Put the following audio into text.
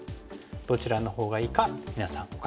どちらのほうがいいか皆さんお考え下さい。